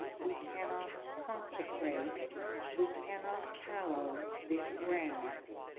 . .we cannot consecrate. .. we cannot hallow this ground.